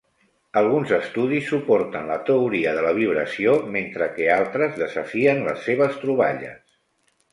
Alguns estudis suporten la teoria de la vibració mentre que altres desafien les seves troballes.